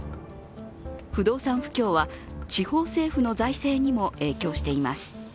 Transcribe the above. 不動産不況は地方政府の財政にも影響しています。